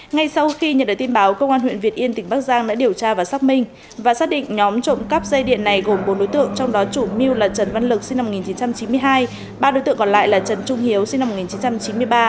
ngay sau khi nhận được tin báo công an huyện việt yên tỉnh bắc giang đã điều tra và xác minh và xác định nhóm trộm cắp dây điện này gồm bốn đối tượng trong đó chủ mưu là trần văn lực sinh năm một nghìn chín trăm chín mươi hai ba đối tượng còn lại là trần trung hiếu sinh năm một nghìn chín trăm chín mươi ba